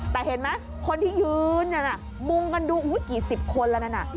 แต่เห็นไหมคนที่ยืนมุมกันดูกี่สิบคนละนั้น